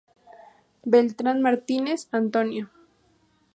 Beltrán Martínez, Antonio.